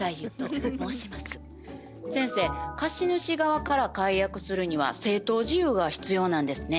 先生貸主側から解約するには正当事由が必要なんですね。